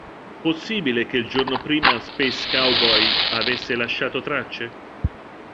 Possibile che il giorno prima Space Cowboy avesse lasciato tracce?